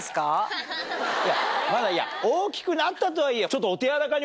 大きくなったとはいえちょっと。